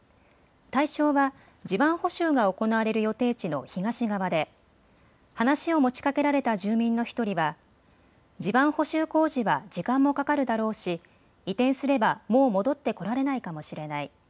対象は地盤補修が行われる予定地の東側で話を持ちかけられた住民の１人は地盤補修工事は時間もかかるだろうし移転すればもう戻ってこられないかもしれない。